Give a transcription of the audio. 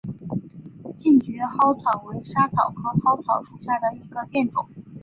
近蕨嵩草为莎草科嵩草属下的一个变种。